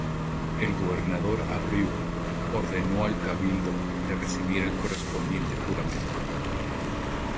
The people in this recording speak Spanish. El gobernador Abreu ordenó al Cabildo le reciba el correspondiente juramento.